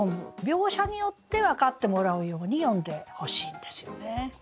描写によって分かってもらうように詠んでほしいんですよね。